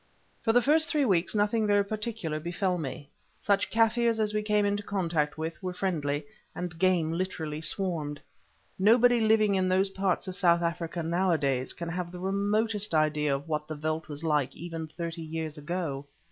For the first three weeks nothing very particular befell me. Such Kaffirs as we came in contact with were friendly, and game literally swarmed. Nobody living in those parts of South Africa nowadays can have the remotest idea of what the veldt was like even thirty years ago.